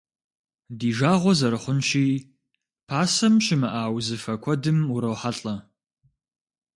Ди жагъуэ зэрыхъунщи, пасэм щымыӏа узыфэ куэдым урохьэлӏэ.